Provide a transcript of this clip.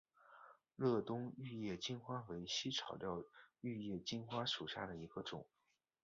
乐东玉叶金花为茜草科玉叶金花属下的一个种。